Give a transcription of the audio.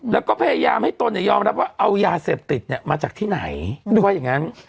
แล้วก็พยายามให้ตนเนี่ยยอมรับว่าเอายาเสพติดเนี่ยมาจากที่ไหนนึกว่าอย่างนั้น